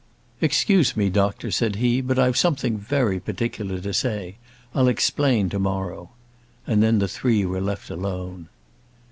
"Excuse me, doctor," said he, "but I've something very particular to say; I'll explain to morrow." And then the three were left alone.